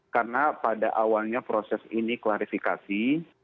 karena pada awalnya proses ini klarifikasi